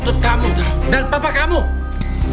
buat keributan di rumah manjikan saya ayo